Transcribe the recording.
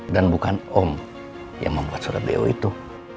dan bukan om yang membuat surat do itu